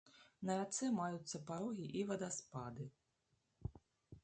На рацэ маюцца парогі і вадаспады.